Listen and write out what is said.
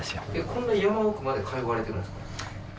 こんな山奥まで通われてるんですか。